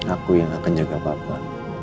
aku yang akan jaga papa